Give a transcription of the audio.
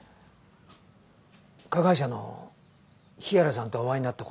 加害者の日原さんとお会いになった事は？